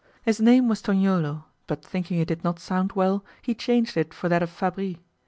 His name was Tognolo, but thinking it did not sound well, he changed it for that of Fabris.